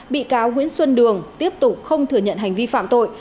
bị cáo nguyễn xuân đường tiếp tục không thừa nhận hành vi phạm tội